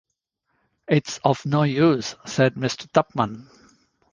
‘It’s of no use,’ said Mr. Tupman.